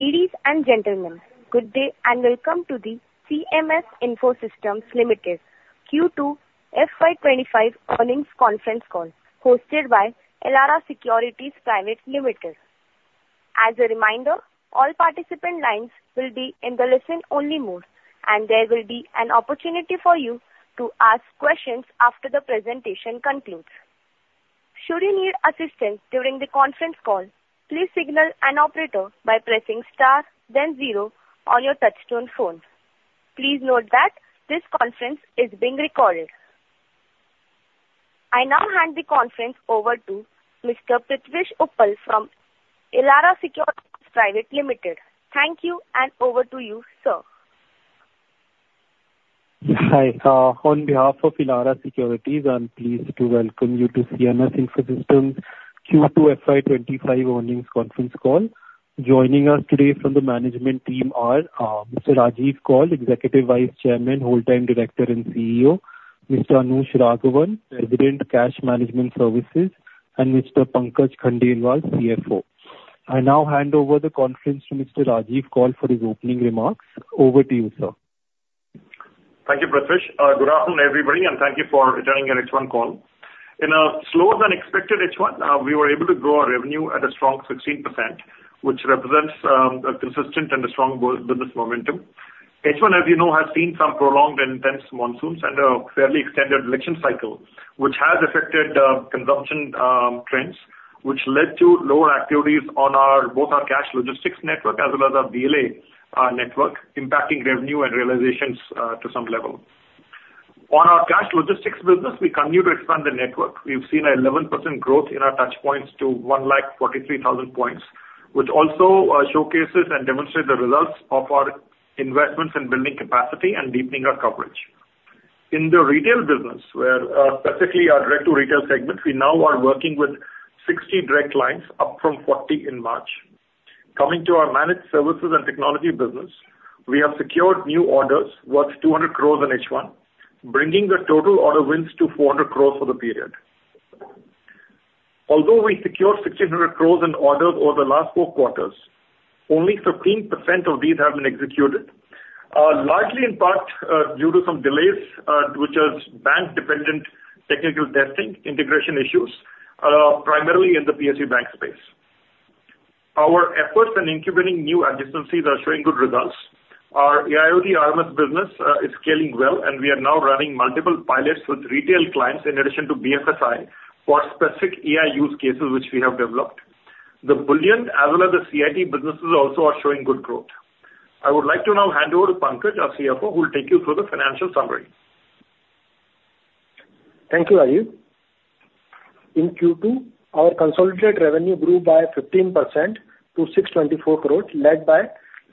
Ladies and gentlemen, good day, and welcome to the CMS Info Systems Limited Q2 FY twenty-five earnings conference call, hosted by Elara Securities Private Limited. As a reminder, all participant lines will be in the listen-only mode, and there will be an opportunity for you to ask questions after the presentation concludes. Should you need assistance during the conference call, please signal an operator by pressing star then zero on your touchtone phone. Please note that this conference is being recorded. I now hand the conference over to Mr. Prithvish Uppal from Elara Securities Private Limited. Thank you, and over to you, sir. Hi. On behalf of Elara Securities, I'm pleased to welcome you to CMS Info Systems Q2 FY twenty-five earnings conference call. Joining us today from the management team are Mr. Rajiv Kaul, Executive Vice Chairman, Whole Time Director, and CEO, Mr. Anush Raghavan, President, Cash Management Services, and Mr. Pankaj Khandelwal, CFO. I now hand over the conference to Mr. Rajiv Kaul for his opening remarks. Over to you, sir. Thank you, Prithvish. Good afternoon, everybody, and thank you for joining our H1 call. In a slower than expected H1, we were able to grow our revenue at a strong 16%, which represents a consistent and a strong growth business momentum. H1, as you know, has seen some prolonged and intense monsoons and a fairly extended election cycle, which has affected consumption trends, which led to lower activities on both our cash logistics network as well as our BLA network, impacting revenue and realizations to some level. On our cash logistics business, we continue to expand the network. We've seen an 11% growth in our touchpoints to 1 lakh 43 thousand points, which also showcases and demonstrate the results of our investments in building capacity and deepening our coverage. In the retail business, where specifically our direct-to-retail segment, we now are working with 60 direct lines, up from 40 in March. Coming to our managed services and technology business, we have secured new orders worth 200 crores in H1, bringing the total order wins to 400 crores for the period. Although we secured 1,600 crores in orders over the last four quarters, only 15% of these have been executed, largely in part due to some delays, which is bank-dependent technical testing, integration issues, primarily in the PSU bank space. Our efforts in incubating new adjacencies are showing good results. Our IoT RMS business is scaling well, and we are now running multiple pilots with retail clients in addition to BFSI, for specific AI use cases which we have developed. The bullion as well as the CIT businesses also are showing good growth. I would like to now hand over to Pankaj, our CFO, who will take you through the financial summary. Thank you, Rajiv. In Q2, our consolidated revenue grew by 15% to 624 crores, led by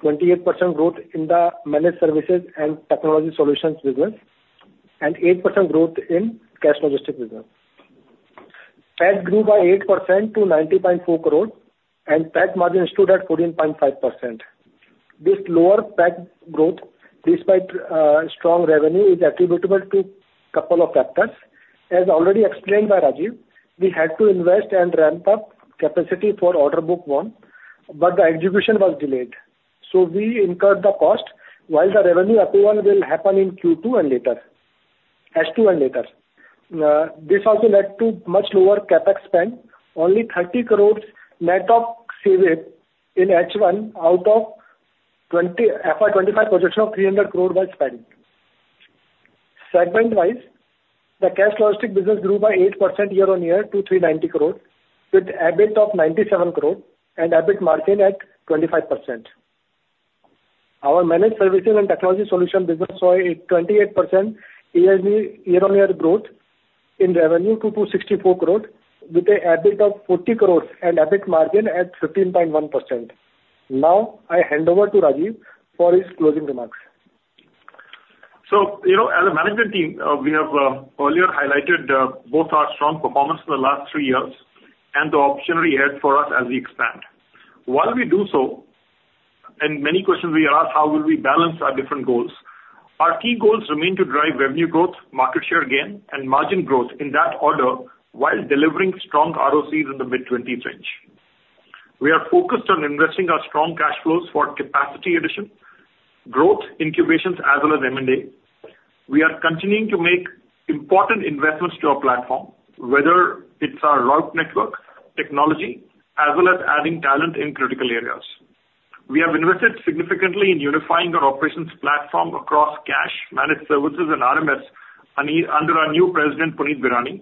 28% growth in the managed services and technology solutions business, and 8% growth in cash logistics business. PAT grew by 8% to 90.4 crores, and PAT margin stood at 14.5%. This lower PAT growth, despite strong revenue, is attributable to couple of factors. As already explained by Rajiv, we had to invest and ramp up capacity for order book won, but the execution was delayed. So we incurred the cost while the revenue equivalent will happen in Q2 and later... H2 and later. This also led to much lower CapEx spend, only 30 crores net of savings in H1 out of FY 2025 projection of 300 crore was spent. Segment-wise, the cash logistics business grew by 8% year-on-year to 390 crores, with EBIT of 97 crore and EBIT margin at 25%. Our managed services and technology solution business saw a 28% YOY, year-on-year growth in revenue to 264 crore, with a EBIT of 40 crores and EBIT margin at 15.1%. Now, I hand over to Rajiv for his closing remarks. So, you know, as a management team, we have earlier highlighted both our strong performance in the last three years and the opportunity ahead for us as we expand. While we do so, and many questions we are asked: How will we balance our different goals? Our key goals remain to drive revenue growth, market share gain, and margin growth in that order, while delivering strong ROCs in the mid-twenties range. We are focused on investing our strong cash flows for capacity addition, growth, incubations, as well as M&A. We are continuing to make important investments to our platform, whether it's our route network, technology, as well as adding talent in critical areas. We have invested significantly in unifying our operations platform across cash, managed services, and RMS under our new president, Puneet Bhirani.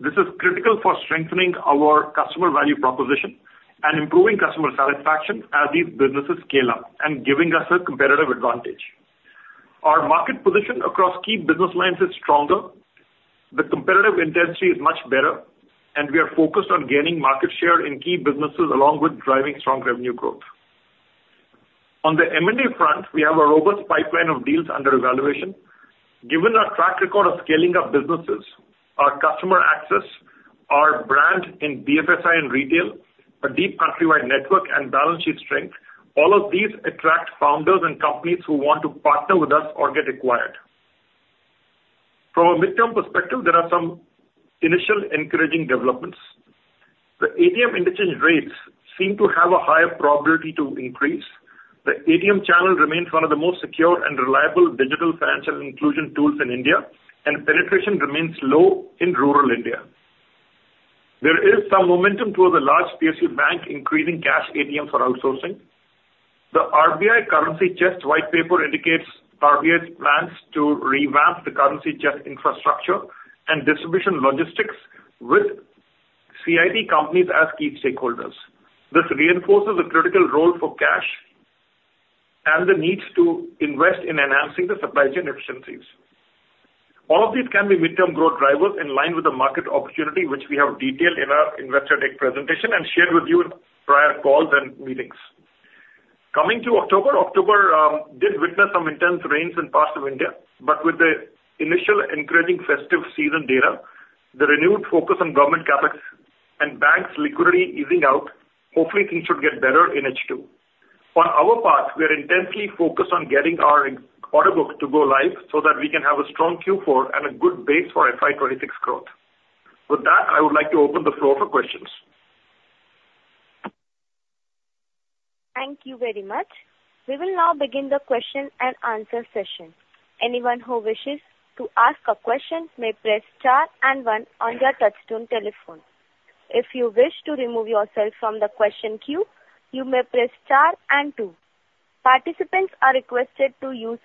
This is critical for strengthening our customer value proposition and improving customer satisfaction as these businesses scale up and giving us a competitive advantage. Our market position across key business lines is stronger, the competitive intensity is much better, and we are focused on gaining market share in key businesses along with driving strong revenue growth. On the M&A front, we have a robust pipeline of deals under evaluation. Given our track record of scaling up businesses, our customer access, our brand in BFSI and retail, a deep countrywide network and balance sheet strength, all of these attract founders and companies who want to partner with us or get acquired.... From a midterm perspective, there are some initial encouraging developments. The ATM interchange rates seem to have a higher probability to increase. The ATM channel remains one of the most secure and reliable digital financial inclusion tools in India, and penetration remains low in rural India. There is some momentum towards a large PSU bank increasing cash ATM for outsourcing. The RBI currency chest white paper indicates RBI's plans to revamp the currency chest infrastructure and distribution logistics with CIT companies as key stakeholders. This reinforces a critical role for cash and the needs to invest in enhancing the supply chain efficiencies. All of these can be midterm growth drivers in line with the market opportunity, which we have detailed in our investor deck presentation and shared with you in prior calls and meetings. Coming to October, did witness some intense rains in parts of India, but with the initial encouraging festive season data, the renewed focus on government CapEx and banks' liquidity easing out, hopefully things should get better in H2. On our part, we are intensely focused on getting our order book to go live so that we can have a strong Q4 and a good base for FY 2026 growth. With that, I would like to open the floor for questions. Thank you very much. We will now begin the question and answer session. Anyone who wishes to ask a question may press star and one on their touchtone telephone. If you wish to remove yourself from the question queue, you may press star and two. Participants are requested to use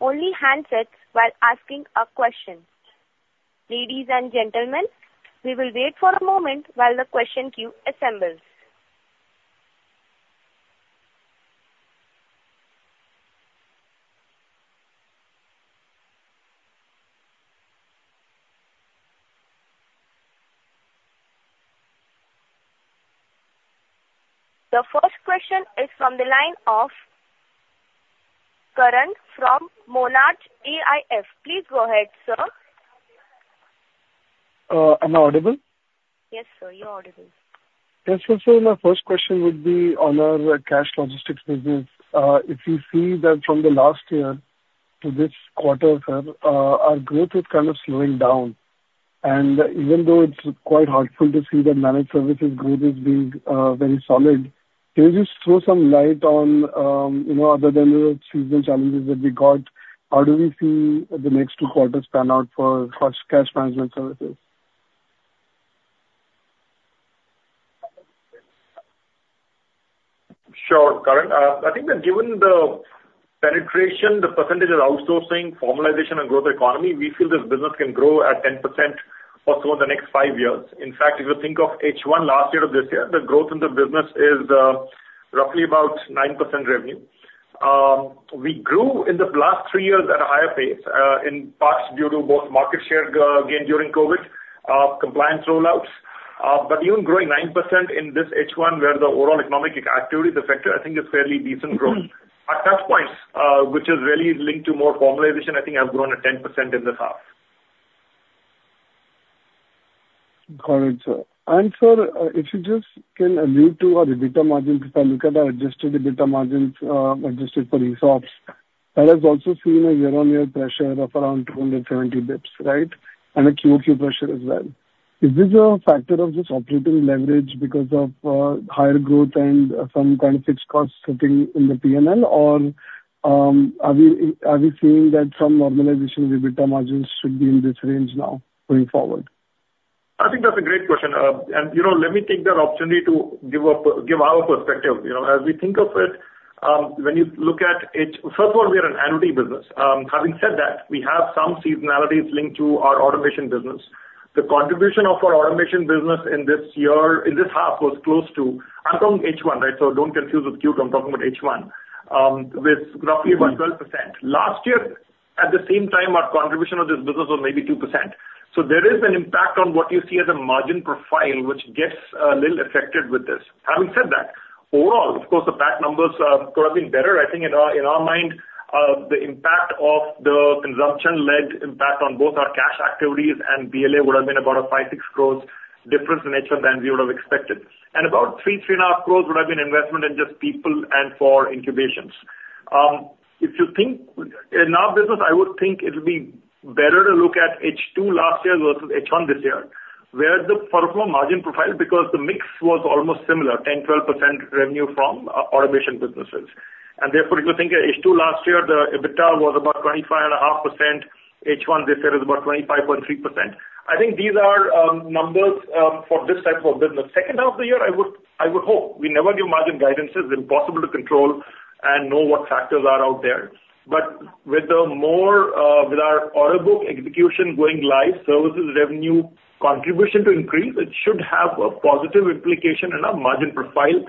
only handsets while asking a question. Ladies and gentlemen, we will wait for a moment while the question queue assembles. The first question is from the line of Karan from Monarch Networth Capital. Please go ahead, sir. Am I audible? Yes, sir, you are audible. Yes, so sir, my first question would be on our cash logistics business. If you see that from the last year to this quarter, sir, our growth is kind of slowing down. And even though it's quite heartening to see that managed services growth is being very solid, can you just throw some light on, you know, other than the seasonal challenges that we got, how do we see the next two quarters pan out for cash management services? Sure, Karan. I think that given the penetration, the percentage of outsourcing, formalization and growth economy, we feel this business can grow at 10% or so in the next five years. In fact, if you think of H1 last year to this year, the growth in the business is, roughly about 9% revenue. We grew in the last three years at a higher pace, in parts due to both market share gain during COVID, compliance rollouts. But even growing 9% in this H1, where the overall economic activity is a factor, I think is fairly decent growth. Our touchpoints, which is really linked to more formalization, I think have grown at 10% in this half. Got it, sir. And sir, if you just can allude to our EBITDA margin, if I look at our adjusted EBITDA margins, adjusted for ESOPs, that has also seen a year-on-year pressure of around two hundred and seventy basis points, right? And a QOQ pressure as well. Is this a factor of just operating leverage because of, higher growth and some kind of fixed costs sitting in the PNL? Or, are we seeing that some normalization of EBITDA margins should be in this range now going forward? I think that's a great question, and, you know, let me take that opportunity to give our perspective. You know, as we think of it, when you look at H1. First of all, we are an annuity business. Having said that, we have some seasonalities linked to our automation business. The contribution of our automation business in this year, in this half, was close to, I'm talking H1, right? So don't confuse with Q2, I'm talking about H1. With roughly about 12%. Last year, at the same time, our contribution of this business was maybe 2%. So there is an impact on what you see as a margin profile, which gets a little affected with this. Having said that, overall, of course, the PAT numbers could have been better. I think in our mind, the impact of the consumption-led impact on both our cash activities and BLA would have been about an 5-6 crore difference in H1 than we would have expected. And about 3.5 crore would have been investment in just people and for incubations. If you think in our business, I would think it would be better to look at H2 last year versus H1 this year, where first of all margin profile, because the mix was almost similar, 10-12% revenue from automation businesses. And therefore, if you think H2 last year, the EBITDA was about 25.5%. H1 this year is about 25.3%. I think these are numbers for this type of business. Second half of the year, I would hope. We never give margin guidances. It's impossible to control and know what factors are out there. But with the more, with our order book execution going live, services revenue contribution to increase, it should have a positive implication in our margin profile,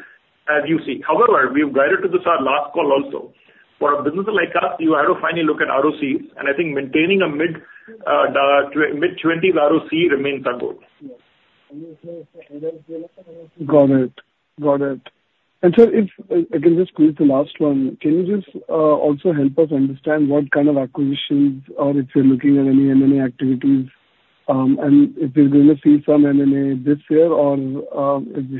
as you see. However, we've guided to this our last call also. For a business like us, you have to finally look at ROC, and I think maintaining a mid-twenties ROC remains our goal. Got it. Got it. And sir, if I can just squeeze the last one, can you just also help us understand what kind of acquisitions or if you're looking at any M&A activities? And if we're going to see some M&A this year or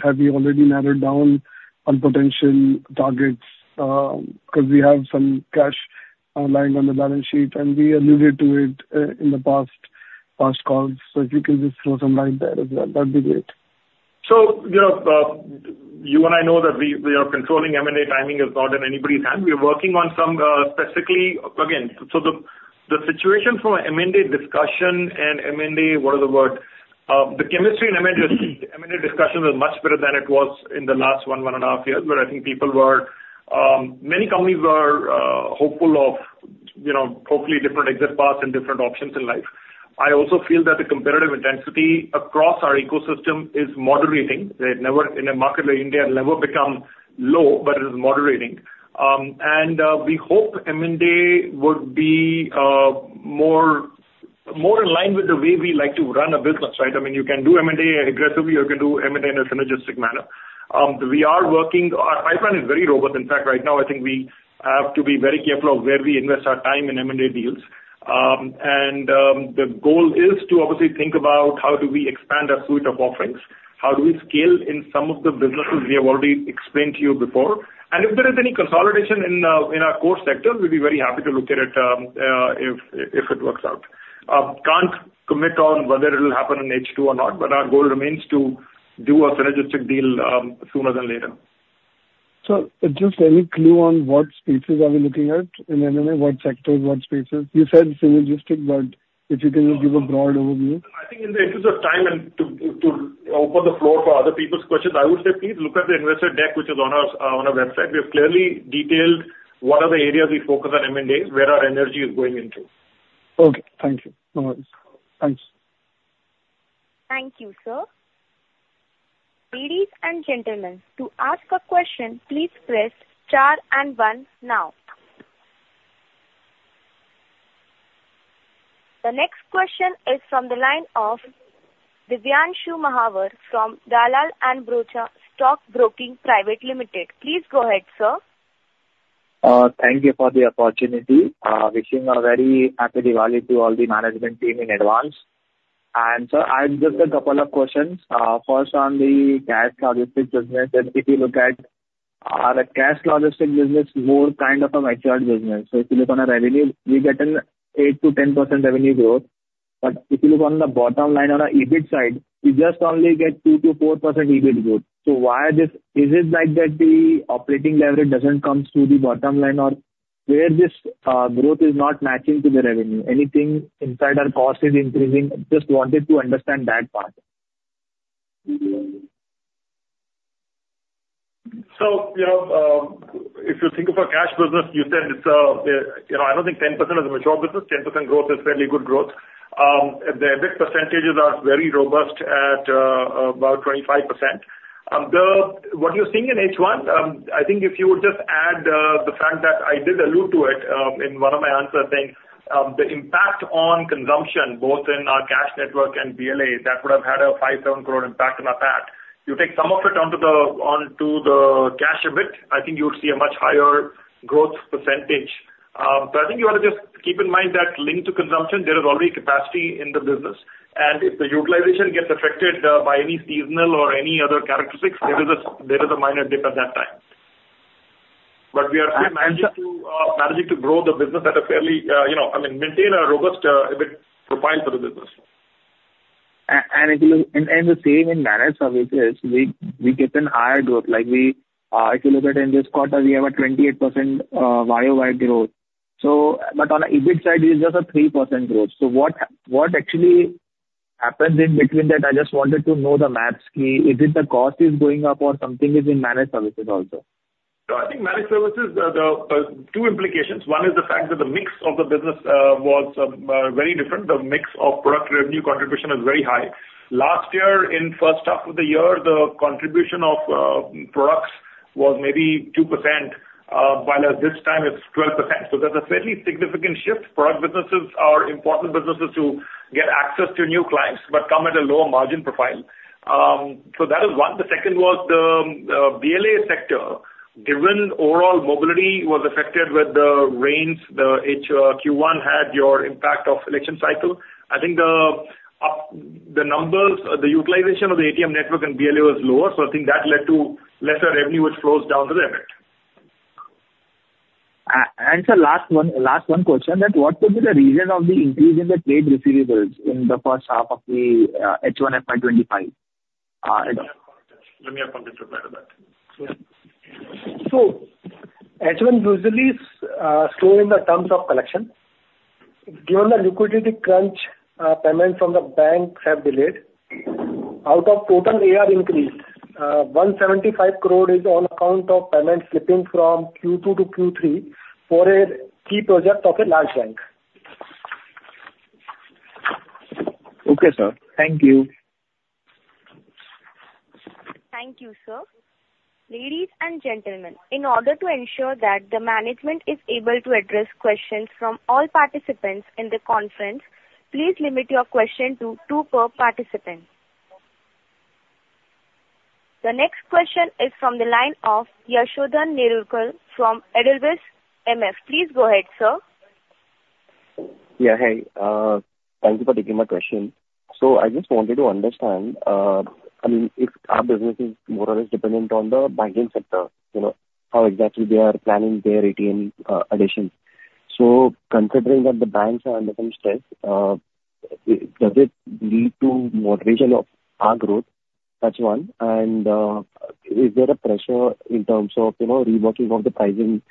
have you already narrowed down on potential targets? 'Cause we have some cash lying on the balance sheet, and we alluded to it in the past calls. So if you can just throw some light there as well, that'd be great. You know, you and I know that we are controlling M&A timing is not in anybody's hands. We are working on some specifically. Again, the situation from an M&A discussion and M&A, what is the word? The chemistry in M&A discussions are much better than it was in the last one and a half years, where I think many companies were hopeful of, you know, hopefully different exit paths and different options in life. I also feel that the competitive intensity across our ecosystem is moderating. It never, in a market like India, it'll never become low, but it is moderating. And we hope M&A would be more in line with the way we like to run a business, right? I mean, you can do M&A aggressively or you can do M&A in a synergistic manner. We are working. Our pipeline is very robust. In fact, right now, I think we have to be very careful of where we invest our time in M&A deals. And the goal is to obviously think about how do we expand our suite of offerings? How do we scale in some of the businesses we have already explained to you before? And if there is any consolidation in our core sector, we'll be very happy to look at it, if it works out. Can't commit on whether it will happen in H2 or not, but our goal remains to do a synergistic deal, sooner than later. So just any clue on what spaces are we looking at in M&A? What sectors, what spaces? You said synergistic, but if you can just give a broad overview. I think in the interest of time and to open the floor for other people's questions, I would say, please look at the investor deck, which is on our, on our website. We have clearly detailed what are the areas we focus on M&A, where our energy is going into. Okay. Thank you. No worries. Thanks. Thank you, sir. Ladies and gentlemen, to ask a question, please press star and one now. The next question is from the line of Divyanshu Mahavar from Dalal & Broacha Stockbroking Private Limited. Please go ahead, sir. Thank you for the opportunity. Wishing a very happy Diwali to all the management team in advance. And sir, I have just a couple of questions. First, on the cash logistics business, if you look at the cash logistics business, more kind of a matured business. So if you look at our revenue, we get 8%-10% revenue growth. But if you look at the bottom line on our EBIT side, we just only get 2%-4% EBIT growth. So why is this? Is it like that the operating leverage doesn't come to the bottom line, or where is this growth not matching to the revenue? Is anything inside our cost increasing? Just wanted to understand that part. You know, if you think of our cash business, you said it's, you know, I don't think 10% is a mature business. 10% growth is fairly good growth. The EBIT percentages are very robust at about 25%. What you're seeing in H1, I think if you just add the fact that I did allude to it in one of my answers, I think the impact on consumption, both in our cash network and BLA, that would have had a 5-7 crore impact on our PAT. You take some of it down to the, onto the cash EBIT, I think you would see a much higher growth percentage. I think you want to just keep in mind that linked to consumption, there is already capacity in the business, and if the utilization gets affected by any seasonal or any other characteristics, there is a minor dip at that time, but we are still managing to grow the business at a fairly, you know, I mean, maintain a robust EBIT profile for the business. And if you look. And the same in managed services, we get a higher growth. Like, if you look at in this quarter, we have a 28% YOY growth. So, but on the EBIT side, it is just a 3% growth. So what actually happened in between that? I just wanted to know the math scheme. Is it the cost is going up or something is in managed services also? I think managed services, two implications. One is the fact that the mix of the business was very different. The mix of product revenue contribution is very high. Last year, in first half of the year, the contribution of products was maybe 2%, while as this time it's 12%. So there's a fairly significant shift. Product businesses are important businesses to get access to new clients, but come at a lower margin profile. So that is one. The second was the BLA sector. Given overall mobility was affected with the rains, the H1 Q1 had an impact of election cycle. I think the numbers, the utilization of the ATM network and BLA was lower, so I think that led to lesser revenue, which flows down to the EBIT. And sir, last one question, that what could be the reason of the increase in the trade receivables in the first half of the H1 FY 2025? Let me ask Pankaj to reply to that. H1 usually is slow in the terms of collection. Given the liquidity crunch, payments from the banks have delayed. Out of total AR increase, 175 crore is on account of payments slipping from Q2 to Q3 for a key project of a large bank. Okay, sir. Thank you. Thank you, sir. Ladies and gentlemen, in order to ensure that the management is able to address questions from all participants in the conference, please limit your question to two per participant. The next question is from the line of Yashodhan Nerurkar from Edelweiss MF. Please go ahead, sir. Yeah, hi, thank you for taking my question. So I just wanted to understand, I mean, if our business is more or less dependent on the banking sector, you know, how exactly they are planning their ATM additions. So considering that the banks are under some stress, does it lead to moderation of our growth? That's one. And, is there a pressure in terms of, you know, reworking of the pricing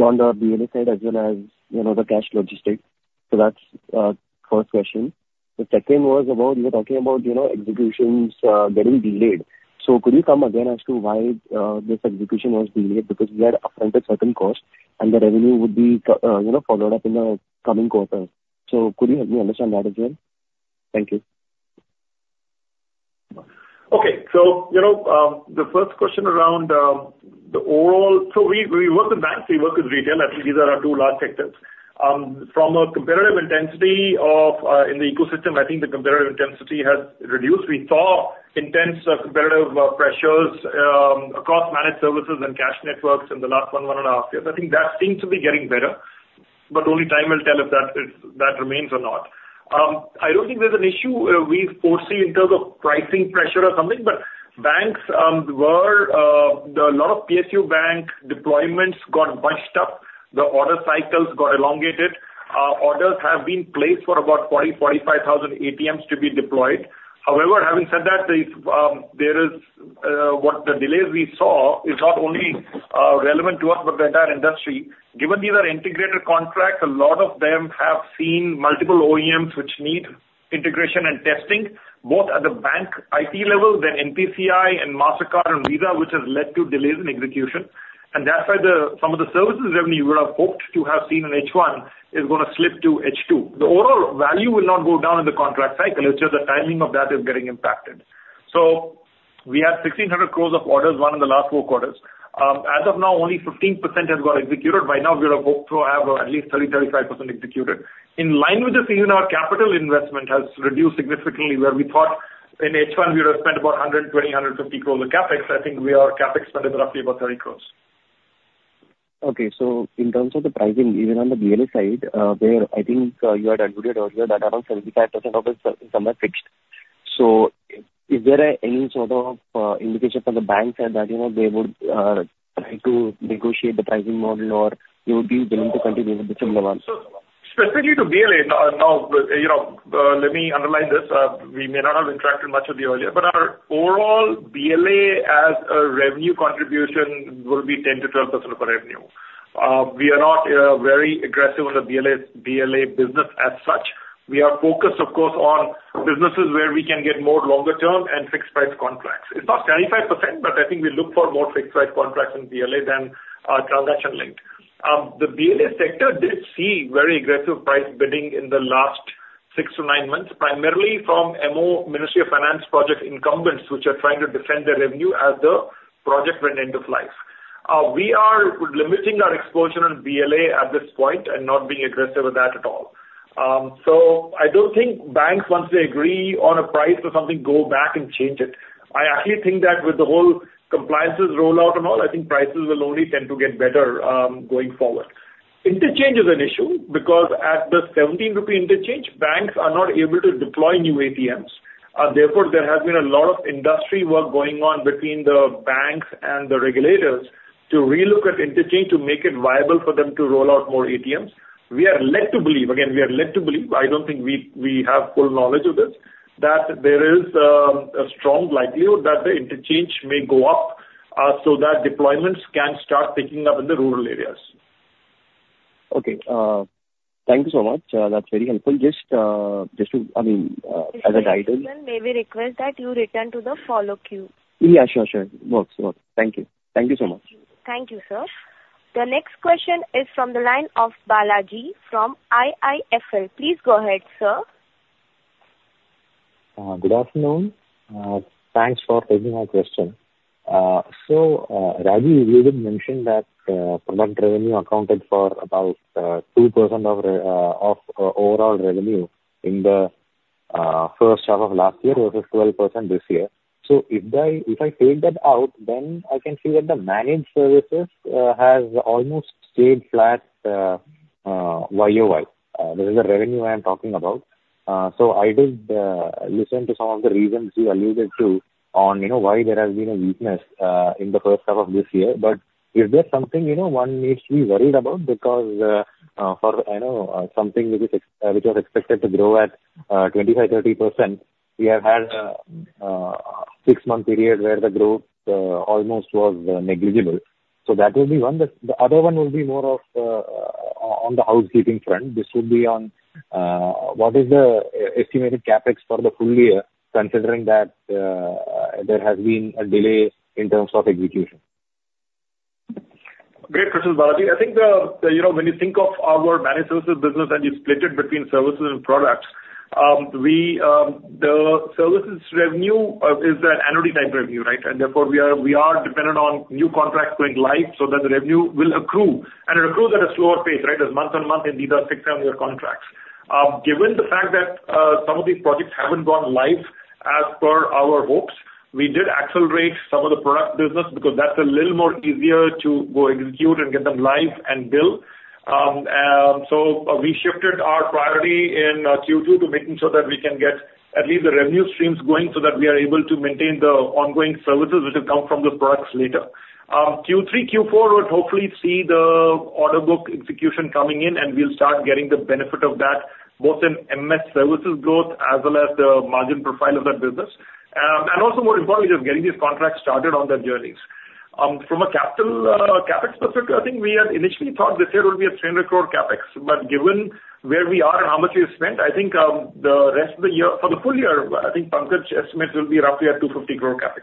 on the BLA side as well as, you know, the cash logistics? So that's first question. The second was about, you were talking about, you know, executions getting delayed. So could you come again as to why this execution was delayed? Because we had upfront a certain cost and the revenue would be, you know, followed up in the coming quarters. So could you help me understand that as well? Thank you. Okay. So, you know, the first question around the overall. We work with banks, we work with retail. I think these are our two large sectors. From a competitive intensity of in the ecosystem, I think the competitive intensity has reduced. We saw intense competitive pressures across managed services and cash networks in the last one and a half years. I think that seems to be getting better, but only time will tell if that remains or not. I don't think there's an issue we foresee in terms of pricing pressure or something, but banks were. The lot of PSU bank deployments got bunched up, the order cycles got elongated. Orders have been placed for about 40-45 thousand ATMs to be deployed. However, having said that, the delays we saw is not only relevant to us, but the entire industry. Given these are integrated contracts, a lot of them have seen multiple OEMs which need integration and testing, both at the bank IT level, then NPCI and MasterCard and Visa, which has led to delays in execution. And that's why some of the services revenue you would have hoped to have seen in H1 is gonna slip to H2. The overall value will not go down in the contract cycle. It's just the timing of that is getting impacted. So we had 1,600 crores of orders won in the last four quarters. As of now, only 15% has got executed. By now, we would have hoped to have at least 30-35% executed. In line with this season, our capital investment has reduced significantly, where we thought in H1 we would have spent about 120-150 crores of CapEx. I think we are CapEx spending roughly about 30 crores. Okay. So in terms of the pricing, even on the BLA side, where I think you had alluded earlier that around 75% of it is somewhere fixed. So is there any sort of indication from the bank side that, you know, they would try to negotiate the pricing model, or you would be willing to continue with the similar one? So specifically to BLA, you know, let me underline this. We may not have interacted much with you earlier, but our overall BLA as a revenue contribution will be 10-12% of our revenue. We are not very aggressive on the BLA business as such. We are focused, of course, on businesses where we can get more longer-term and fixed price contracts. It's not 35%, but I think we look for more fixed price contracts in BLA than transaction linked. The BLA sector did see very aggressive price bidding in the last six to nine months, primarily from MoF, Ministry of Finance, project incumbents, which are trying to defend their revenue as the project ran end of life. We are limiting our exposure on BLA at this point and not being aggressive with that at all. So I don't think banks, once they agree on a price or something, go back and change it. I actually think that with the whole compliance rollout and all, I think prices will only tend to get better, going forward. Interchange is an issue because at the 17 rupee interchange, banks are not able to deploy new ATMs. Therefore, there has been a lot of industry work going on between the banks and the regulators to relook at interchange, to make it viable for them to roll out more ATMs. We are led to believe, I don't think we have full knowledge of this, that there is a strong likelihood that the interchange may go up, so that deployments can start picking up in the rural areas. Okay. Thank you so much. That's very helpful. Just to, I mean, as a guidance- May we request that you return to the follow-up queue? Yeah, sure, sure. Works. Thank you. Thank you so much. Thank you, sir. The next question is from the line of Balaji from IIFL. Please go ahead, sir. Good afternoon. Thanks for taking my question. So, Raju, you did mention that product revenue accounted for about 2% of overall revenue in the first half of last year, versus 12% this year. So if I take that out, then I can see that the managed services has almost stayed flat YOY. This is the revenue I am talking about. So I did listen to some of the reasons you alluded to on, you know, why there has been a weakness in the first half of this year. But is there something, you know, one needs to be worried about? Because I know something which was expected to grow at 25%-30%, we have had a six-month period where the growth almost was negligible. So that would be one. The other one would be more on the housekeeping front. This would be on what is the estimated CapEx for the full year, considering that there has been a delay in terms of execution? Great question, Balaji. I think, you know, when you think of our managed services business and you split it between services and products, we, the services revenue is an annuity type revenue, right? And therefore, we are, we are dependent on new contracts going live so that the revenue will accrue. And it accrues at a slower pace, right, as month on month, and these are six- to nine-year contracts. Given the fact that some of these projects haven't gone live as per our hopes, we did accelerate some of the product business because that's a little more easier to go execute and get them live and build. And so we shifted our priority in Q2 to making sure that we can get at least the revenue streams going, so that we are able to maintain the ongoing services which will come from the products later. Q3, Q4 would hopefully see the order book execution coming in, and we'll start getting the benefit of that, both in MS services growth as well as the margin profile of that business. And also more importantly, just getting these contracts started on their journeys. From a capital CapEx perspective, I think we had initially thought this year would be 300 crore CapEx. But given where we are and how much we have spent, I think the rest of the year for the full year, I think Pankaj's estimate will be roughly at 250 crore CapEx.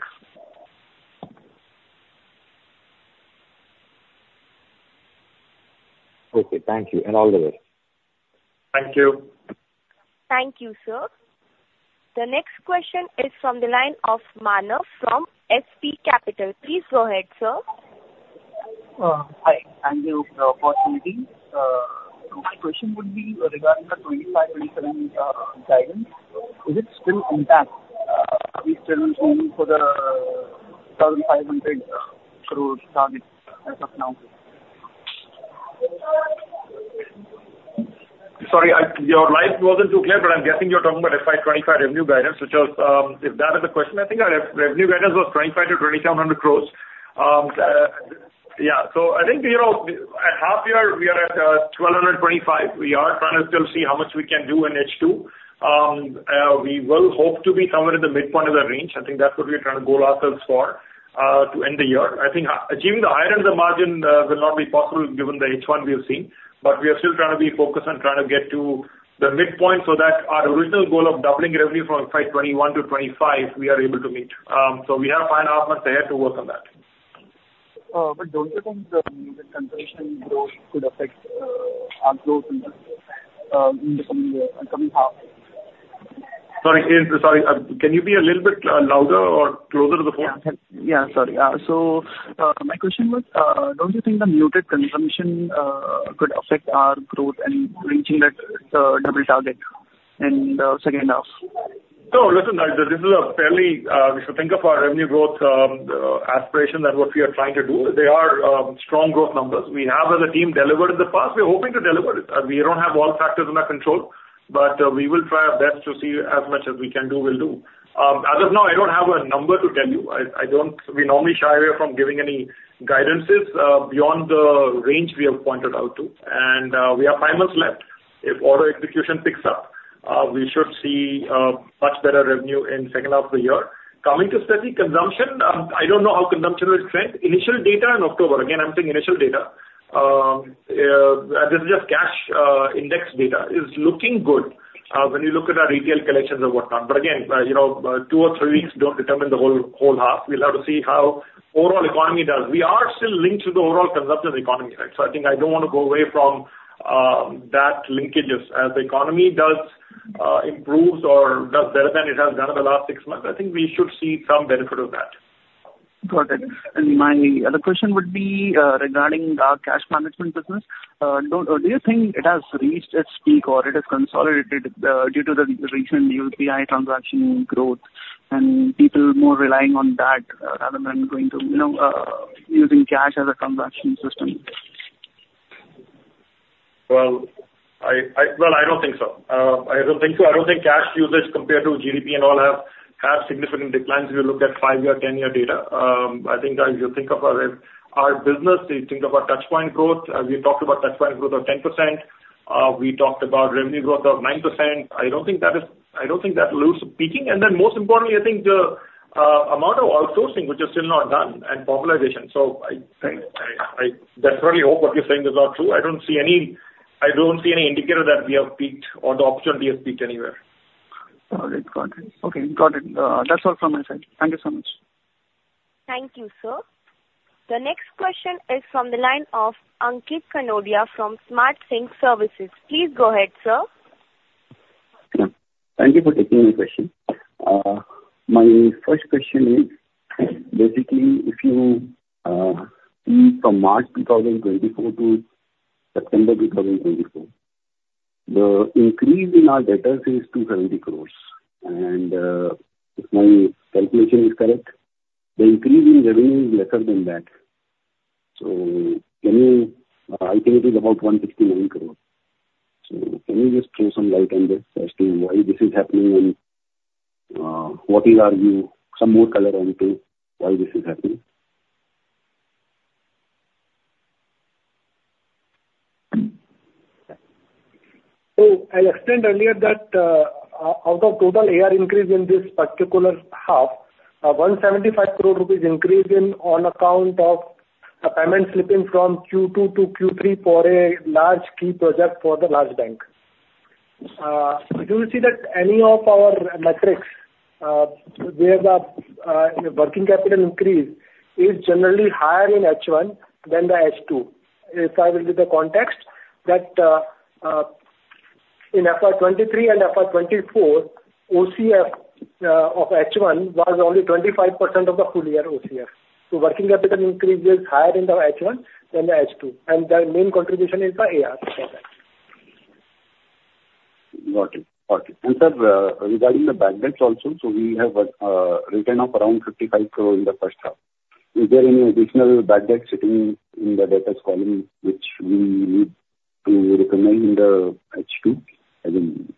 Okay. Thank you, and all the best. Thank you. Thank you, sir. The next question is from the line of Manav from SB Capital. Please go ahead, sir. Hi. Thank you for the opportunity. My question would be regarding the 25-27 guidance. Is it still intact? Are we still in for the 1,500 crore target as of now? Sorry, Your line wasn't too clear, but I'm guessing you're talking about FY 2025 revenue guidance, which was, if that is the question, I think our revenue guidance was 2,500-2,700 crores. Yeah, so I think, you know, at half year, we are at 1,225. We are trying to still see how much we can do in H2. We will hope to be somewhere in the midpoint of the range. I think that's what we are trying to goal ourselves for, to end the year. I think achieving the higher end of the margin will not be possible given the H1 we have seen, but we are still trying to be focused on trying to get to the midpoint, so that our original goal of doubling revenue from FY 2021 to 2025, we are able to meet. So we have five and a half months ahead to work on that. But don't you think the consumption growth could affect our growth in the coming half? Sorry, sorry. Can you be a little bit louder or closer to the phone? Yeah. Sorry. So, my question was, don't you think the muted consumption could affect our growth and reaching that, double target in the second half? No. Listen, this is a fairly. If you think of our revenue growth, aspiration and what we are trying to do, they are strong growth numbers. We have as a team delivered in the past. We're hoping to deliver it. We don't have all factors in our control, but we will try our best to see as much as we can do, we'll do. As of now, I don't have a number to tell you. I don't. We normally shy away from giving any guidances beyond the range we have pointed out to, and we have five months left. If order execution picks up, we should see much better revenue in second half of the year. Coming to steady consumption, I don't know how consumption will trend. Initial data in October, again, I'm saying initial data, this is just cash index data, is looking good, when you look at our retail collections and whatnot. But again, you know, two or three weeks don't determine the whole half. We'll have to see how overall economy does. We are still linked to the overall consumption economy, right? So I think I don't want to go away from that linkages. As the economy does improves or does better than it has done in the last six months, I think we should see some benefit of that. Got it. And my other question would be, regarding our cash management business. Do you think it has reached its peak or it has consolidated, due to the recent UPI transaction growth, and people are more relying on that, rather than going to, you know, using cash as a transaction system? I don't think so. I don't think so. I don't think cash usage compared to GDP and all have significant declines if you look at five-year, ten-year data. I think you think of our business, you think of our touchpoint growth. We talked about touchpoint growth of 10%. We talked about revenue growth of 9%. I don't think that is. I don't think that looks peaking. And then most importantly, I think the amount of outsourcing, which is still not done, and popularization. So I definitely hope what you're saying is not true. I don't see any indicator that we have peaked or the opportunity has peaked anywhere. All right. Got it. Okay, got it. That's all from my side. Thank you so much. Thank you, sir. The next question is from the line of Ankit Kanodia from Smart Sync Services. Please go ahead, sir. Yeah. Thank you for taking my question. My first question is, basically, if you see from March 2024 to September 2024, the increase in our debtors is 270 crore, and, if my calculation is correct, the increase in revenue is lesser than that. So can you... I think it is about 169 crore. So can you just throw some light on this as to why this is happening? And, what is your view, some more color on to why this is happening? So I explained earlier that, out of total AR increase in this particular half, 175 crore rupees increase in on account of a payment slipping from Q2 to Q3 for a large key project for the large bank. You will see that any of our metrics, where the, working capital increase is generally higher in H1 than the H2. If I will give the context, that, in FY 2023 and FY 2024, OCF of H1 was only 25% of the full year OCF. So working capital increase is higher in the H1 than the H2, and the main contribution is by AR. Got it. Got it. And sir, regarding the bad debts also, so we have written up around 55 crore in the first half. Is there any additional bad debt sitting in the debtors column, which we need to recognize in the H2?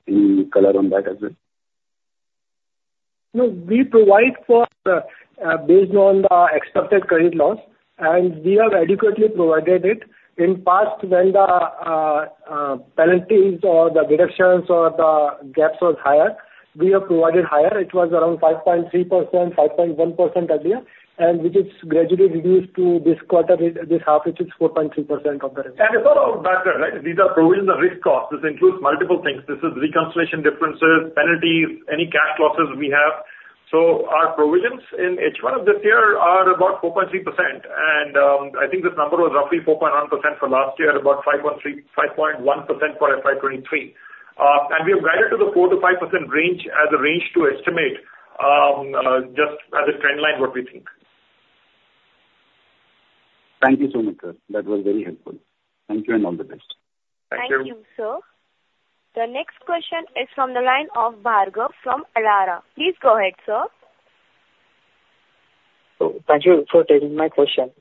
Any color on that as well? No, we provide for, based on the expected credit loss, and we have adequately provided it. In past, when the, penalties or the deductions or the gaps was higher, we have provided higher. It was around 5.3%, 5.1% earlier, and which is gradually reduced to this quarter, this half, which is 4.3% of the revenue. It's not all bad debt, right? These are provisions of risk cost. This includes multiple things. This is reconciliation differences, penalties, any cash losses we have. So our provisions in H1 of this year are about 4.3%, and I think this number was roughly 4.1% for last year, about 5.1% for FY 2023. We have guided to the 4%-5% range as a range to estimate, just as a trend line, what we think. Thank you so much, sir. That was very helpful. Thank you, and all the best. Thank you. Thank you, sir. The next question is from the line of Bhargav from Elara. Please go ahead, sir. So thank you for taking my question.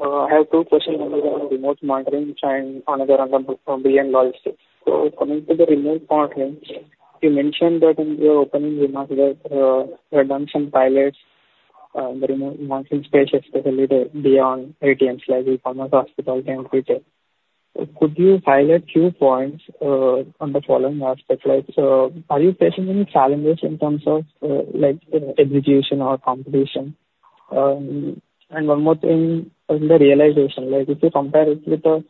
I have two questions, one is on remote monitoring and another on the bullion logistics. So coming to the remote monitoring, you mentioned that in your opening remarks that you have done some pilots in the remote monitoring space, especially the beyond ATMs, like pharma, hospitality, and retail. Could you highlight few points on the following aspects? Like, so are you facing any challenges in terms of like execution or competition? And one more thing, in the realization, like if you compare it with the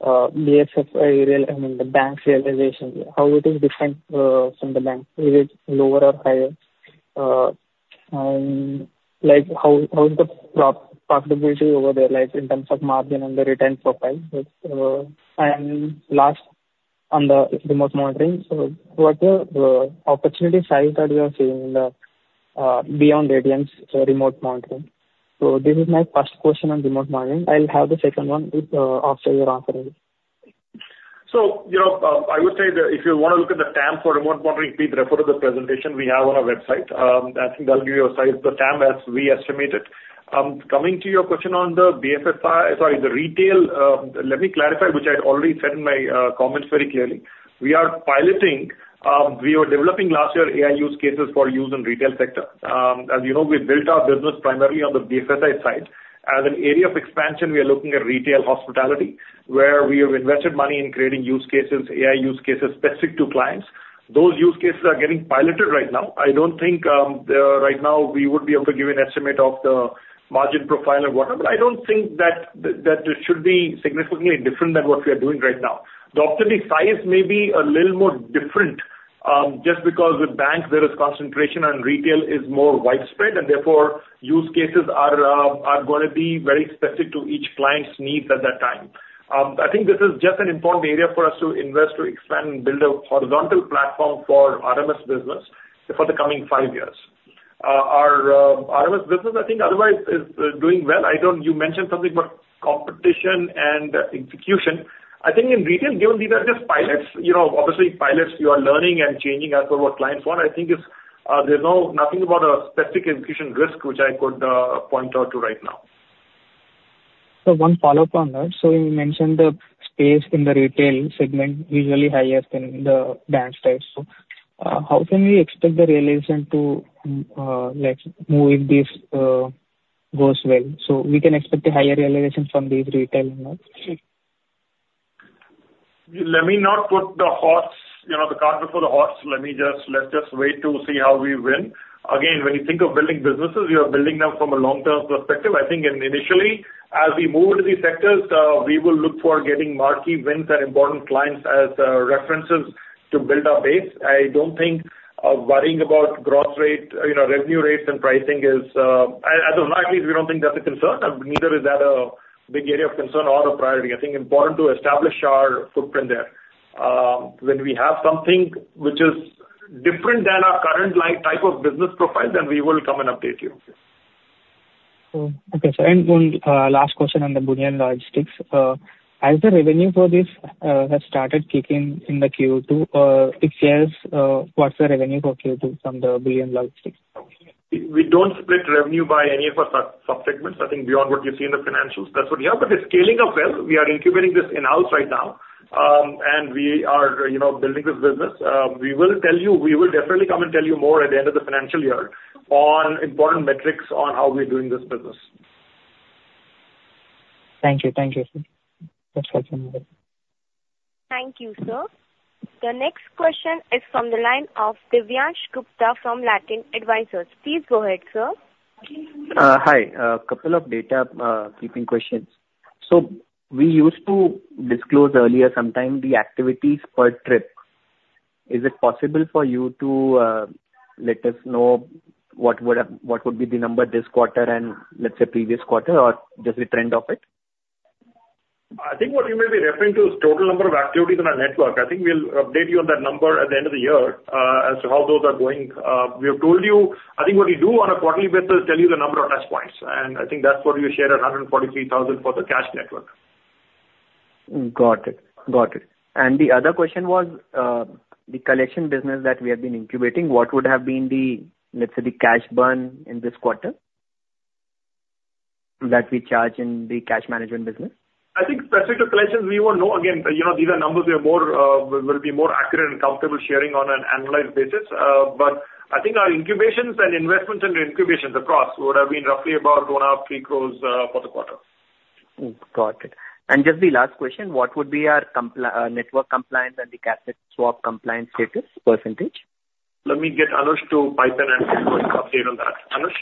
BFSI, I mean, the banks realization, how it is different from the bank? Is it lower or higher? Like how is the profitability over there, like in terms of margin and the return profile? and last, on the remote monitoring, so what are the opportunity size that you are seeing in the beyond ATMs, so remote monitoring? So this is my first question on remote monitoring. I'll have the second one after you answer this. So, you know, I would say that if you want to look at the TAM for remote monitoring, please refer to the presentation we have on our website. I think that'll give you a size of the TAM as we estimate it. Coming to your question on the BFSI, sorry, the retail, let me clarify, which I had already said in my comments very clearly. We are piloting, we were developing last year AI use cases for use in retail sector. As you know, we built our business primarily on the BFSI side. As an area of expansion, we are looking at retail hospitality, where we have invested money in creating use cases, AI use cases, specific to clients. Those use cases are getting piloted right now. I don't think right now we would be able to give an estimate of the margin profile and whatever, but I don't think that it should be significantly different than what we are doing right now. The opportunity size may be a little more different, just because with banks there is concentration and retail is more widespread, and therefore use cases are going to be very specific to each client's needs at that time. I think this is just an important area for us to invest, to expand and build a horizontal platform for RMS business for the coming five years. Our RMS business, I think, otherwise is doing well. I don't... You mentioned something about competition and execution. I think in retail, given these are just pilots, you know, obviously pilots, you are learning and changing as per what clients want. I think it's, there's nothing about a specific execution risk, which I could point out to right now. So one follow-up on that. So you mentioned the space in the retail segment is really higher than the bank side. So, how can we expect the realization to, like, move if this goes well? So we can expect a higher realization from these retail now? Let me not put the horse, you know, the cart before the horse. Let me just let's just wait to see how we win. Again, when you think of building businesses, we are building them from a long-term perspective. I think initially, as we move into these sectors, we will look for getting marquee wins and important clients as references to build our base. I don't think worrying about gross rate, you know, revenue rates and pricing is I don't know, at least we don't think that's a concern, neither is that a big area of concern or a priority. I think important to establish our footprint there. When we have something which is different than our current type of business profile, then we will come and update you. Oh, okay, sir. And one last question on the bullion logistics. Has the revenue for this started kicking in the Q2? If yes, what's the revenue for Q2 from the bullion logistics? We don't split revenue by any of our sub-segments. I think beyond what you see in the financials, that's what we have. But it's scaling up well. We are incubating this in-house right now, and we are, you know, building this business. We will tell you... We will definitely come and tell you more at the end of the financial year on important metrics on how we're doing this business. Thank you. Thank you, sir. That's all from my end. Thank you, sir. The next question is from the line of Divyansh Gupta from Latent Advisors. Please go ahead, sir. Hi. Couple of data keeping questions. So we used to disclose earlier, sometime, the activities per trip. Is it possible for you to let us know what would be the number this quarter and, let's say, previous quarter, or just the trend of it? I think what you may be referring to is total number of activities on our network. I think we'll update you on that number at the end of the year, as to how those are going. We have told you, I think, what we do on a quarterly basis, tell you the number of touch points, and I think that's what you shared, a hundred and forty-three thousand for the cash network. Got it. Got it. The other question was, the collection business that we have been incubating, what would have been the, let's say, the cash burn in this quarter that we charge in the cash management business? I think specific to collections, we won't know. Again, you know, these are numbers we will be more accurate and comfortable sharing on an annualized basis. But I think our incubations and investments into incubations across would have been roughly about one and a half pre-close, for the quarter. Got it. And just the last question: What would be our network compliance and the cassette swap compliance status percentage? Let me get Anush to pipe in and give you an update on that. Anush?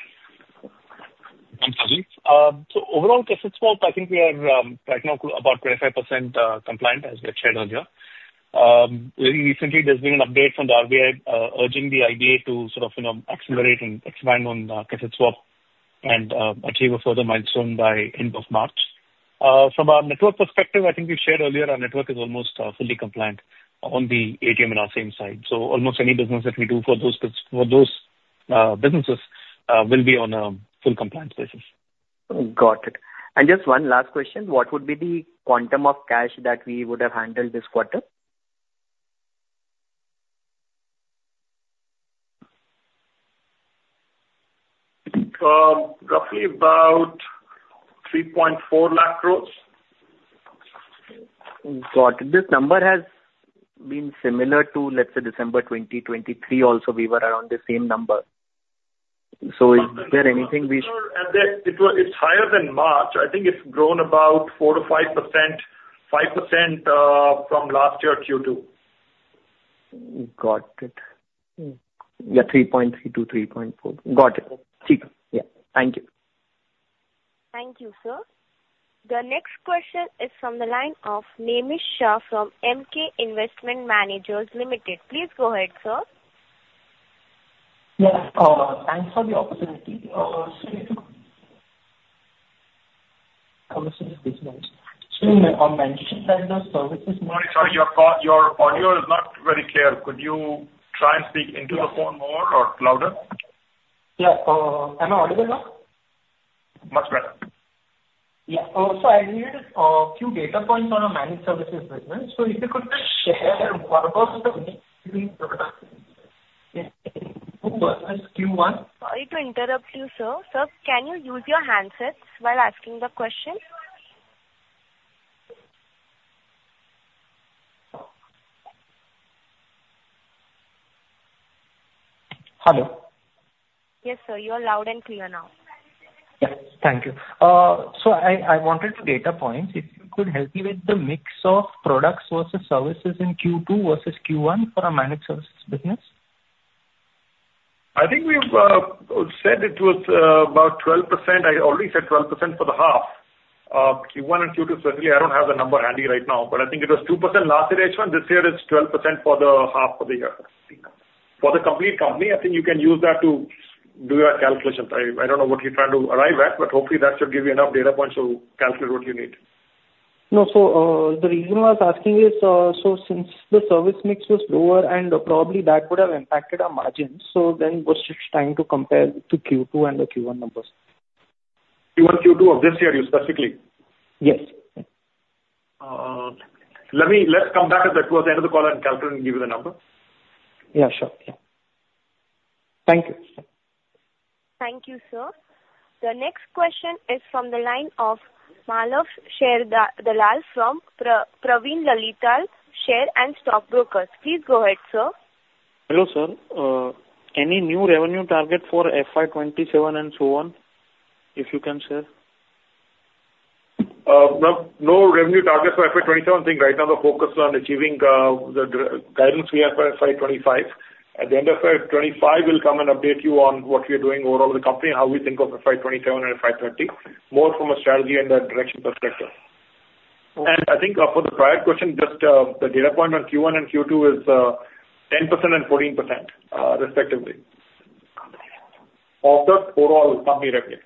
Thanks, Rajiv. So overall, cassette swap, I think we are right now about 25% compliant, as we had shared earlier. Very recently, there's been an update from the RBI, urging the industry to sort of, you know, accelerate and expand on cassette swap and achieve a further milestone by end of March. From a network perspective, I think we shared earlier, our network is almost fully compliant on the ATM and our cash side. So almost any business that we do for those businesses will be on a full compliance basis. Got it. Just one last question: What would be the quantum of cash that we would have handled this quarter? Roughly about 3.4 lakh crores. Got it. This number has been similar to, let's say, December twenty, 2023, also, we were around the same number. So is there anything we- It was, it's higher than March. I think it's grown about 4-5%, 5%, from last year, Q2. Got it. Yeah, three point three to three point four. Got it. Yeah. Thank you. Thank you, sir. The next question is from the line of Nemish Shah from EMKAY Investment Managers Limited. Please go ahead, sir. Yeah. Thanks for the opportunity. Sorry, sir, your call, your audio is not very clear. Could you try and speak into the phone more or louder? Yeah. Am I audible now? Much better. Yeah, so I needed two data points on a managed services business, so if you could just share what was the Q1- Sorry to interrupt you, sir. Sir, can you use your handsets while asking the question? Hello. Yes, sir, you are loud and clear now. Yeah. Thank you. So I wanted two data points. If you could help me with the mix of products versus services in Q2 versus Q1 for our managed services business. I think we've said it was about 12%. I already said 12% for the half. Q1 and Q2, certainly, I don't have the number handy right now, but I think it was 2% last year, H1. This year it's 12% for the half of the year. For the complete company, I think you can use that to do your calculations. I don't know what you're trying to arrive at, but hopefully that should give you enough data points to calculate what you need. No. So, the reason I was asking is, so since the service mix was lower and probably that would have impacted our margins, so then was just trying to compare to Q2 and the Q1 numbers. Q1, Q2 of this year, you specifically? Yes. Let's come back to that towards the end of the call and calculate and give you the number. Yeah, sure. Yeah. Thank you. Thank you, sir. The next question is from the line of Malav from Prabhudas Lilladher and Stock Brokers. Please go ahead, sir. Hello, sir. Any new revenue target for FY 2027 and so on, if you can share? No revenue target for FY 2027. I think right now the focus is on achieving the guidance we have for FY 2025. At the end of FY 2025, we'll come and update you on what we are doing overall with the company and how we think of FY 2027 and FY 2030, more from a strategy and a direction perspective. Okay. I think, for the prior question, just the data point on Q1 and Q2 is 10% and 14%, respectively, of the overall company revenue.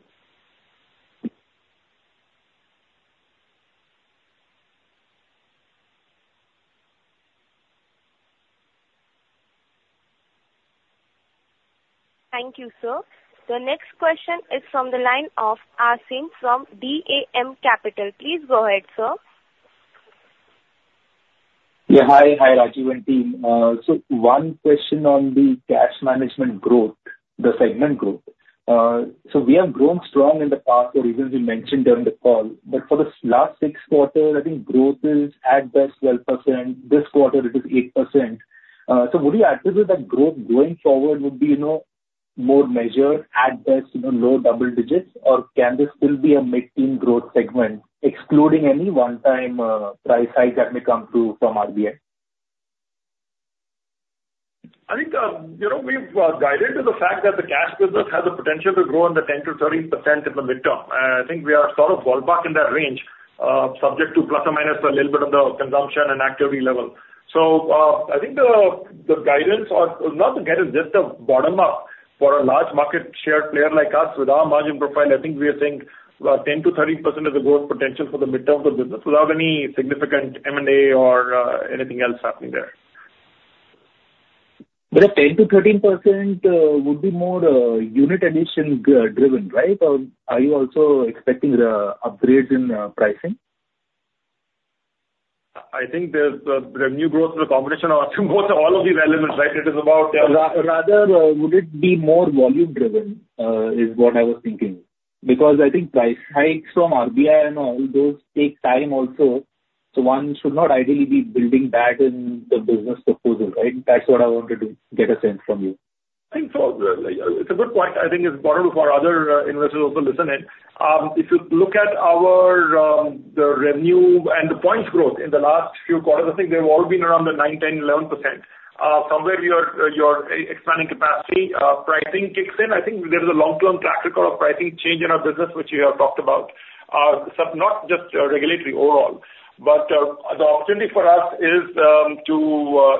Thank you, sir. The next question is from the line of Aasim from DAM Capital. Please go ahead, sir. Yeah, hi. Hi, Rajiv and team. So one question on the cash management growth, the segment growth. So we have grown strong in the past for reasons you mentioned during the call, but for the last six quarters, I think growth is at best 12%. This quarter it is 8%. So would you say that growth going forward would be, you know, more measured at best, you know, low double digits? Or can this still be a mid-teen growth segment, excluding any one-time price hike that may come through from RBI? I think, you know, we've guided to the fact that the cash business has the potential to grow in the 10%-13% in the midterm. And I think we are sort of ballpark in that range, subject to plus or minus a little bit of the consumption and activity level. So, I think the guidance or not the guidance, just the bottom up-...for a large market share player like us, with our margin profile, I think we are saying about 10%-13% is the growth potential for the midterm of the business, without any significant M&A or, anything else happening there. But at 10%-13%, would be more unit addition growth-driven, right? Or are you also expecting upgrades in pricing? I think there's the revenue growth is a combination of almost all of these elements, right? It is about- Rather, would it be more volume driven, is what I was thinking. Because I think price hikes from RBI and all, those take time also, so one should not ideally be building that in the business proposal, right? That's what I wanted to get a sense from you. I think so. It's a good point. I think it's important for our other investors also listening. If you look at our the revenue and the points growth in the last few quarters, I think they've all been around the 9%, 10%, 11%. Somewhere we are, you're expanding capacity, pricing kicks in. I think there's a long-term track record of pricing change in our business, which you have talked about. So not just regulatory overall, but the opportunity for us is to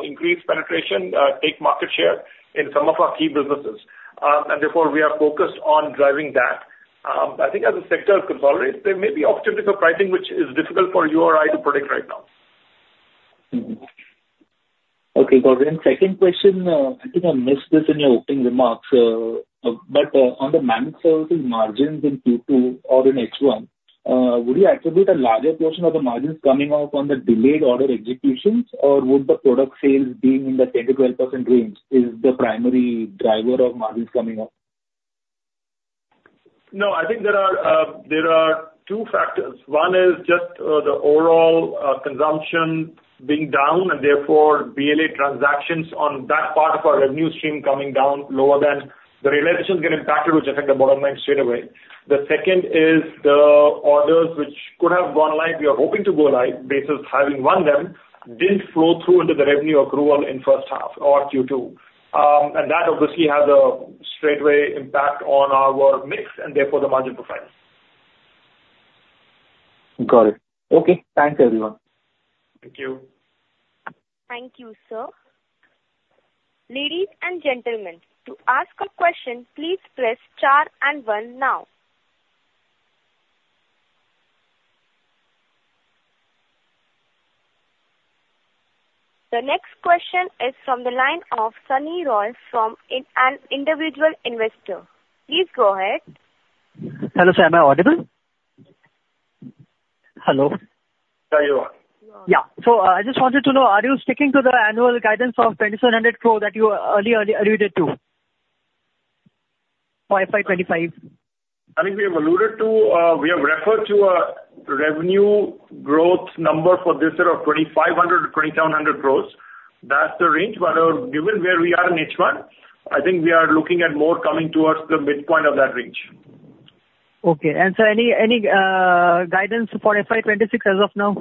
increase penetration, take market share in some of our key businesses. And therefore, we are focused on driving that. I think as the sector consolidates, there may be opportunities for pricing, which is difficult for you or I to predict right now. Mm-hmm. Okay, got it. And second question, I think I missed this in your opening remarks, but, on the managed services margins in Q2 or in H1, would you attribute a larger portion of the margins coming off on the delayed order executions, or would the product sales being in the 10%-12% range is the primary driver of margins coming up? No, I think there are, there are two factors. One is just, the overall, consumption being down, and therefore, BLA transactions on that part of our revenue stream coming down lower than the realizations get impacted, which affect the bottom line straightaway. The second is the orders which could have gone live, we are hoping to go live, basis having won them, didn't flow through into the revenue accrual in first half or Q2. And that obviously has a straightaway impact on our mix, and therefore, the margin profile. Got it. Okay. Thanks, everyone. Thank you. Thank you, sir. Ladies and gentlemen, to ask a question, please press four and one now. The next question is from the line of Sunny Roy, from an individual investor. Please go ahead. Hello, sir. Am I audible? Hello? Yeah, you are. Yeah. So, I just wanted to know, are you sticking to the annual guidance of 2,700 crore that you earlier alluded to for FY twenty-five? I think we have alluded to, we have referred to a revenue growth number for this year of 2,500-2,700 crores. That's the range. But, given where we are in H1, I think we are looking at more coming towards the midpoint of that range. Okay. And so any guidance for FY 2026 as of now?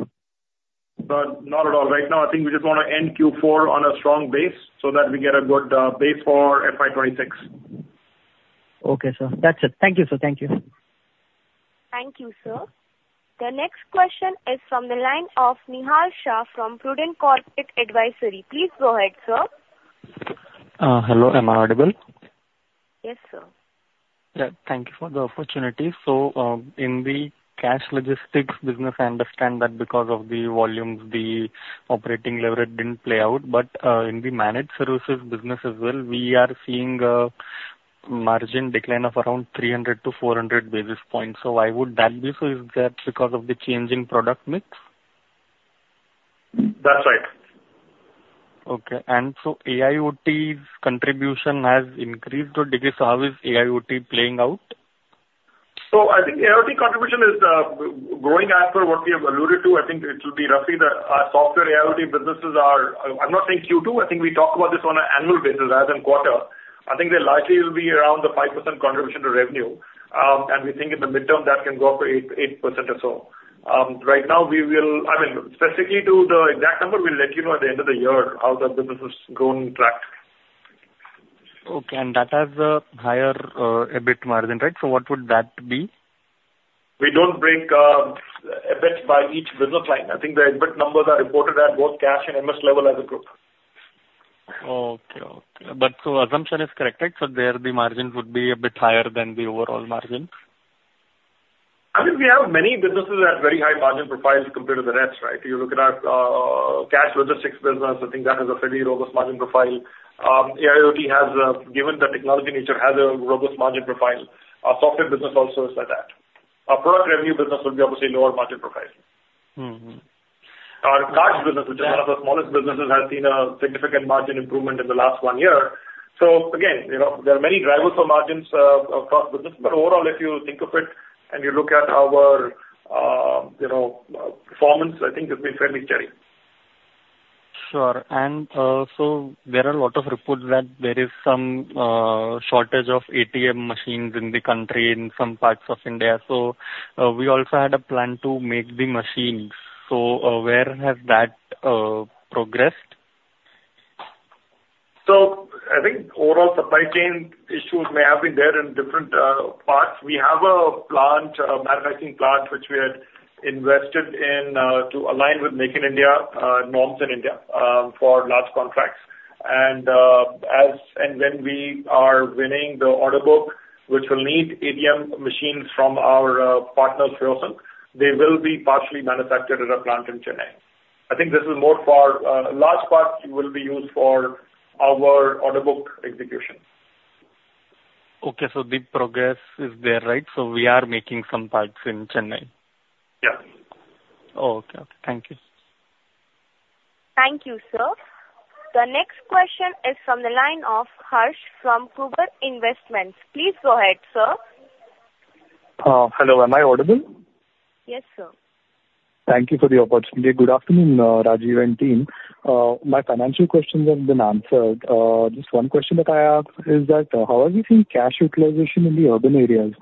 Not at all. Right now, I think we just wanna end Q4 on a strong base, so that we get a good base for FY twenty-six. Okay, sir. That's it. Thank you, sir. Thank you. Thank you, sir. The next question is from the line of Nihal Shah, from Prudent Corporate Advisory. Please go ahead, sir. Hello, am I audible? Yes, sir. Yeah, thank you for the opportunity. So, in the cash logistics business, I understand that because of the volumes, the operating leverage didn't play out. But, in the managed services business as well, we are seeing a margin decline of around 300-400 basis points. So why would that be? So is that because of the changing product mix? That's right. Okay. And so AIoT's contribution has increased or decreased? So how is AIoT playing out? I think AIoT contribution is growing as per what we have alluded to. I think it will be roughly our software AIoT businesses are. I'm not saying Q2. I think we talked about this on an annual basis rather than quarter. I think they largely will be around the 5% contribution to revenue. And we think in the midterm, that can go up to 8% or so. Right now, we will. I mean, specifically to the exact number, we'll let you know at the end of the year how the business is going track. Okay. And that has a higher, EBIT margin, right? So what would that be? We don't break EBIT by each business line. I think the EBIT numbers are reported at both cash and MS level as a group. Okay. Okay. But so, the assumption is correct, right? So there, the margins would be a bit higher than the overall margins. I think we have many businesses at very high margin profiles compared to the rest, right? If you look at our cash logistics business, I think that has a fairly robust margin profile. AIoT has, given the technology nature, has a robust margin profile. Our software business also is like that. Our product revenue business would be obviously lower margin profile. Mm-hmm. Our cards business- Yeah. -which is one of the smallest businesses, has seen a significant margin improvement in the last one year. So again, you know, there are many drivers for margins across business. But overall, if you think of it, and you look at our, you know, performance, I think it's been fairly steady. Sure. And, so there are a lot of reports that there is some shortage of ATM machines in the country, in some parts of India. So, we also had a plan to make the machines. So, where has that progressed? So I think overall supply chain issues may have been there in different parts. We have a plant, a manufacturing plant, which we had invested in to align with Make in India norms in India for large contracts and as and when we are winning the order book, which will need ATM machines from our partner, Hyosung TNS, they will be partially manufactured at a plant in Chennai. I think this is more for a large part will be used for our order book execution. Okay. So big progress is there, right? So we are making some parts in Chennai. Yeah. Okay. Thank you. Thank you, sir. The next question is from the line of Harsh from Kuber Investments. Please go ahead, sir. Hello. Am I audible? Yes, sir. Thank you for the opportunity. Good afternoon, Rajiv and team. My financial questions have been answered. Just one question that I ask is that how are you seeing cash utilization in the urban areas,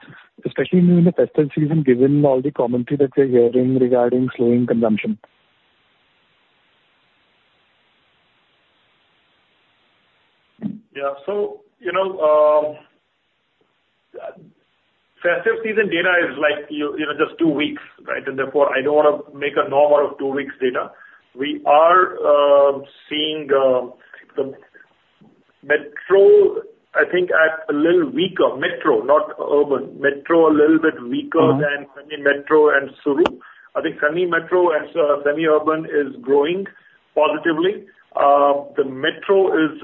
especially in the festive season, given all the commentary that we're hearing regarding slowing consumption? Yeah, so you know, festive season data is like you know just two weeks, right? And therefore, I don't want to make a normal of two weeks data. We are seeing the metro, I think, at a little weaker. Metro, not urban. Metro, a little bit weaker. Mm-hmm. Than semi-metro and rural. I think semi-metro and so, semi-urban is growing positively. The metro is,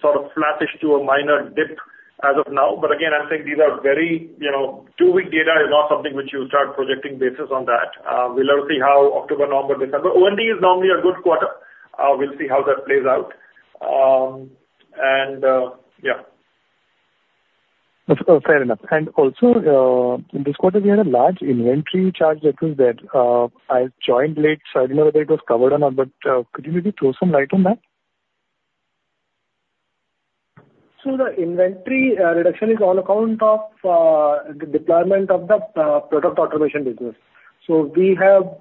sort of flattish to a minor dip as of now. But again, I'm saying these are very, you know, two-week data is not something which you start projecting based on that. We'll have to see how October, November, December... OND is normally a good quarter. We'll see how that plays out. And, yeah. That's fair enough. And also, in this quarter, we had a large inventory charge that was there. I joined late, so I didn't know whether it was covered or not, but, could you maybe throw some light on that? So the inventory reduction is on account of the deployment of the product automation business. So we have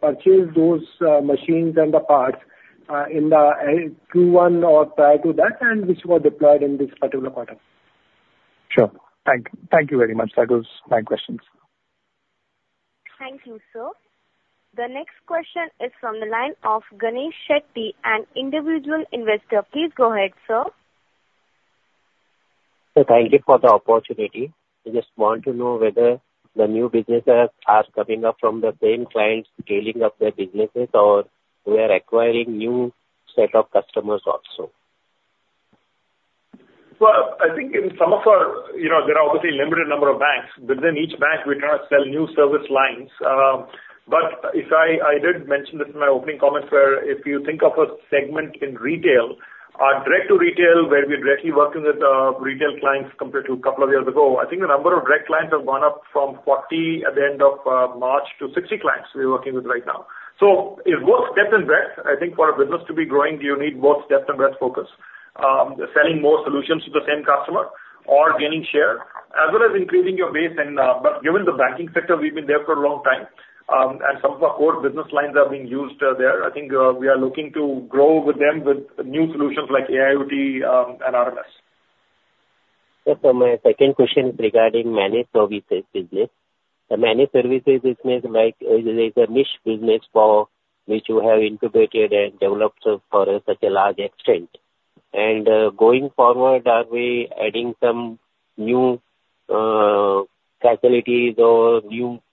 purchased those machines and the parts in the Q1 or prior to that, and which were deployed in this particular quarter. Sure. Thank you very much. That was my questions. Thank you, sir. The next question is from the line of Ganesh Shetty, an individual investor. Please go ahead, sir. Thank you for the opportunity. I just want to know whether the new businesses are coming up from the same clients scaling up their businesses, or we are acquiring new set of customers also. I think in some of our... You know, there are obviously limited number of banks. Within each bank, we try to sell new service lines. But if I did mention this in my opening comments, where if you think of a segment in retail, our direct to retail, where we're directly working with retail clients compared to a couple of years ago, I think the number of direct clients have gone up from 40 at the end of March to 60 clients we're working with right now. So it works depth and breadth. I think for a business to be growing, you need both depth and breadth focus. Selling more solutions to the same customer or gaining share, as well as increasing your base and... But given the banking sector, we've been there for a long time, and some of our core business lines are being used there. I think we are looking to grow with them with new solutions like AIoT, and RMS. Sir, so my second question is regarding managed services business. The managed services business, like, is a niche business for which you have integrated and developed for such a large extent. And, going forward, are we adding some new facilities or new products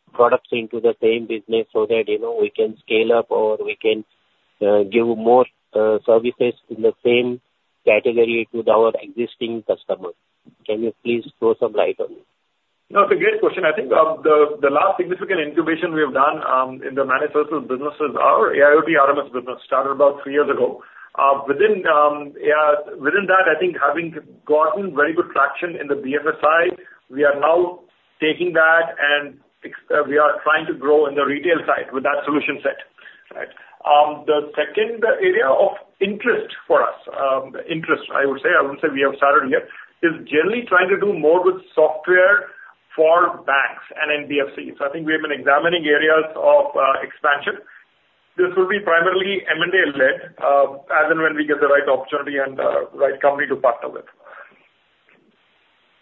into the same business so that, you know, we can scale up or we can give more services in the same category to our existing customers? Can you please throw some light on it? No, it's a great question. I think the last significant incubation we have done in the managed services business is our AIoT, RMS business, started about three years ago. Within that, I think having gotten very good traction in the BFSI side, we are now taking that and we are trying to grow in the retail side with that solution set. Right? The second area of interest for us, I would say, I wouldn't say we have started yet, is generally trying to do more with software for banks and NBFCs. So I think we have been examining areas of expansion. This will be primarily M&A-led, as and when we get the right opportunity and the right company to partner with.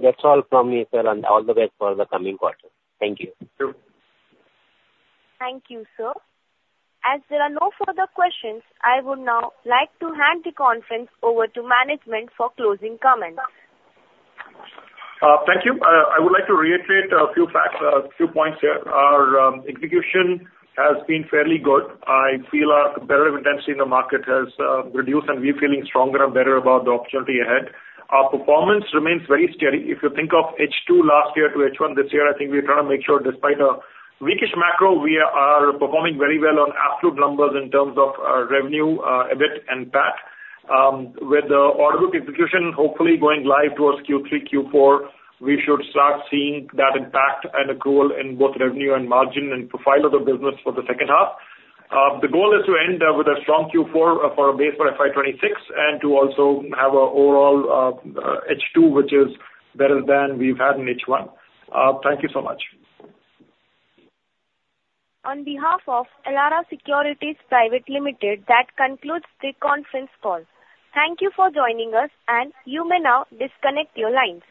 That's all from me, sir, and all the best for the coming quarter. Thank you. Thank you. Thank you, sir. As there are no further questions, I would now like to hand the conference over to management for closing comments. Thank you. I would like to reiterate a few facts, a few points here. Our execution has been fairly good. I feel our competitive intensity in the market has reduced, and we're feeling stronger and better about the opportunity ahead. Our performance remains very steady. If you think of H2 last year to H1 this year, I think we're trying to make sure despite a weak-ish macro, we are performing very well on absolute numbers in terms of our revenue, EBIT and PAT. With the order book execution hopefully going live towards Q3, Q4, we should start seeing that impact and accrual in both revenue and margin and profile of the business for the second half. The goal is to end with a strong Q4 for our base for FY 2026, and to also have a overall H2, which is better than we've had in H1. Thank you so much. On behalf of Elara Securities Private Limited, that concludes the conference call. Thank you for joining us, and you may now disconnect your lines.